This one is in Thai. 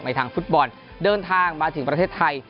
ทางฟุตบอลเดินทางมาถึงประเทศไทย